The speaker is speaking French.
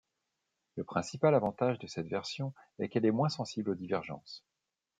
Le principal avantage de cette version est qu'elle est moins sensible aux divergences.